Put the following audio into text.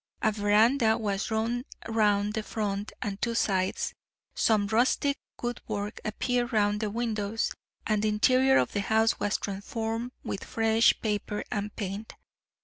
A verandah was run round the front and two sides. Some rustic woodwork appeared round the windows, and the interior of the house was transformed with fresh paper and paint.